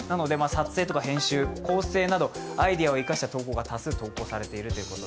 撮影とか編集、構成などアイデアを生かした動画が多数投稿されていると。